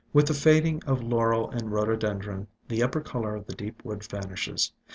With the fading of Laurel and Rhododendron the upper color of the deep wood vanishes.